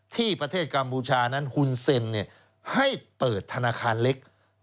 ที่ประเทศกัมพูชานั้นหุ่นเซ็นให้เปิดธนาคารเล็ก